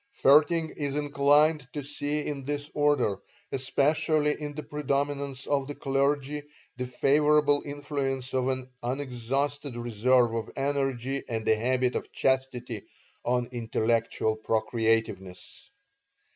Vaerting is inclined to see in this order, especially in the predominance of the clergy, the favorable influence of an unexhausted reserve of energy and a habit of chastity on intellectual procreativeness.